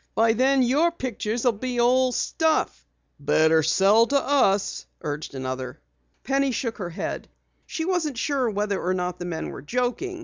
By then your pictures will be old stuff." "Better sell to us," urged another. Penny shook her head. She wasn't sure whether or not the men were joking.